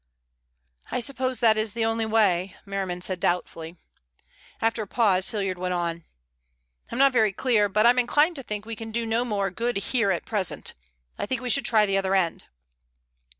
"I suppose that is the only way," Merriman said doubtfully. After a pause Hilliard went on: "I'm not very clear, but I'm inclined to think we can do no more good here at present. I think we should try the other end."